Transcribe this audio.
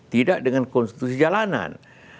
tidak dengan konstitusi jalanan